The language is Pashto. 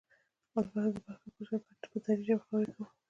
البته دپښتو پرځای په ډري ژبه خبرې کوي؟!